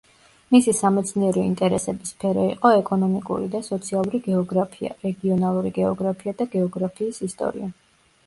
მისი სამეცნიერო ინტერესების სფერო იყო ეკონომიკური და სოციალური გეოგრაფია, რეგიონალური გეოგრაფია და გეოგრაფიის ისტორია.